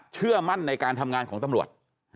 เชื่อมั่นในการทำงานของตำรวจ